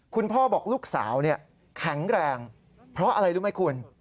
คุณพ่อบอกลูกสาวแข็งแรงเพราะอะไรรู้ไหมคุณ